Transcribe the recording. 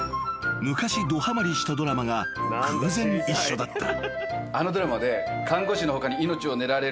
［昔どはまりしたドラマが偶然一緒だった］